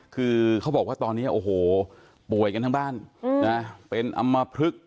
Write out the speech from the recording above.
คือเขาบอกว่าตอนนี้โอ้โหป่วยกันทั้งบ้านนะเป็นอำมพลึก